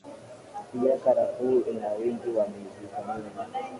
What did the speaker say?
Pia Karafuu ina wingi wa vitamini